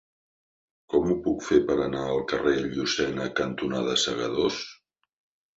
Com ho puc fer per anar al carrer Llucena cantonada Segadors?